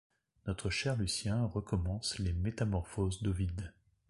Notre cher Lucien recommence les Métamorphoses d’Ovide.